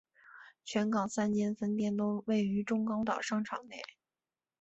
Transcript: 全港三间分店都位于中高档商场内。